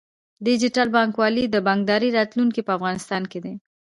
ډیجیټل بانکوالي د بانکدارۍ راتلونکی په افغانستان کې دی۔